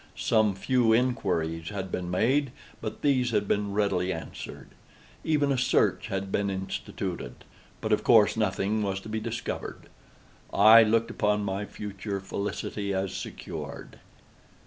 Some few inquiries had been made, but these had been readily answered. Even a search had been instituted—but of course nothing was to be discovered. I looked upon my future felicity as secured.